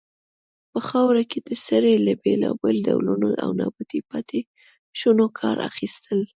په خاوره کې د سرې له بیلابیلو ډولونو او نباتي پاتې شونو کار اخیستل.